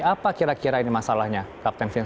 apa kira kira ini masalahnya kapten vince